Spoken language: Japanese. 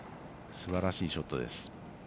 すばらしいショットです。